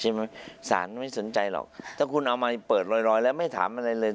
สารไม่สนใจหรอกถ้าคุณเอามาเปิดรอยแล้วไม่ถามอะไรเลย